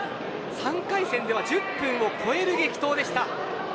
３回戦では１０分を超える激闘でした。